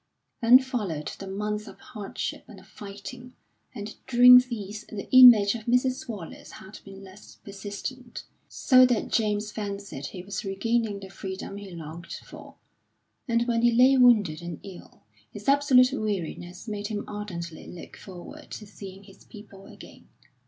Then followed the months of hardship and of fighting; and during these the image of Mrs. Wallace had been less persistent, so that James fancied he was regaining the freedom he longed for. And when he lay wounded and ill, his absolute weariness made him ardently look forward to seeing his people again.